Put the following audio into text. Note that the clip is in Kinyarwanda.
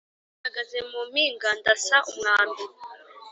. Nahagaze mu mpinga ndasa umwambi